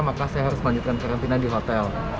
maka saya harus melanjutkan karantina di hotel